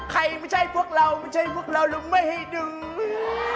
ไม่ใช่พวกเราไม่ใช่พวกเราหรือไม่ให้ดึง